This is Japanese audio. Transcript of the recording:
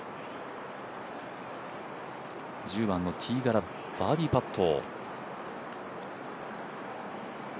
１０番のティーガラ、バーディーパット。